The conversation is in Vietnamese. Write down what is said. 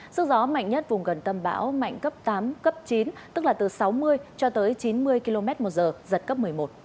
sức gió mạnh nhất vùng gần tâm bão mạnh cấp tám cấp chín tức là từ sáu mươi cho tới chín mươi km một giờ giật cấp một mươi một